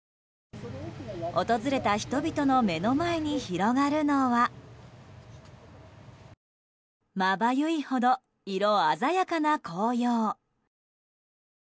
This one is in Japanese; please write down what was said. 訪れた人々の目の前に広がるのはまばゆいほど色鮮やかな紅葉。